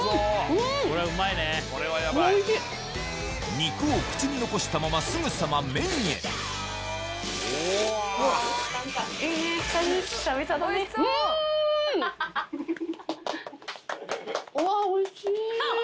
肉を口に残したまますぐさま麺へいいね。